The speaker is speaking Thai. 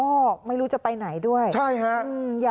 ก็ไม่รู้จะไปไหนด้วยใช่ฮะ